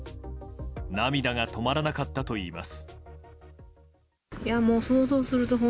涙が止まらなかったといいます。